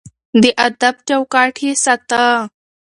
د ادب چوکاټ يې ساته.